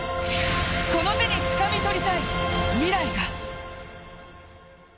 この手につかみ取りたい未来が。